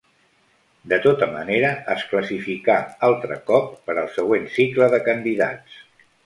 De tota manera, es classificà altre cop per al següent cicle de Candidats.